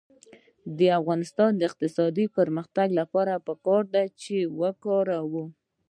د افغانستان د اقتصادي پرمختګ لپاره پکار ده چې کار وکړو.